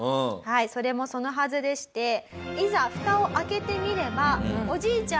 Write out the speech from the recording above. それもそのはずでしていざふたを開けてみればおじいちゃん